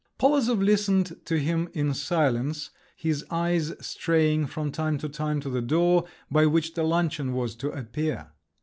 Polozov listened to him in silence, his eyes straying from time to time to the door, by which the luncheon was to appear.